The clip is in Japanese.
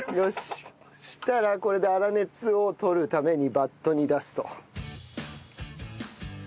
そしたらこれで粗熱を取るためにバットに出すと。